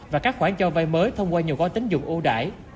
và các khoản cho vay mới thông qua nhiều gói tính dụng ưu đại